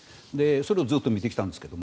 それをずっと見てきたんですが。